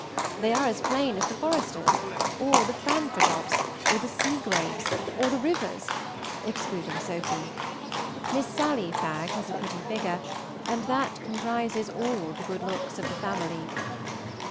They are as plain as the Foresters, or the Franfraddops, or the Seagraves, or the Rivers, excluding Sophy. Miss Sally Fagg has a pretty figure, and that comprises all the good looks of the family.